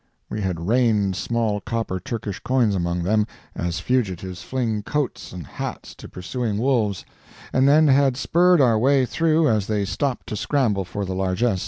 We had rained small copper Turkish coins among them, as fugitives fling coats and hats to pursuing wolves, and then had spurred our way through as they stopped to scramble for the largess.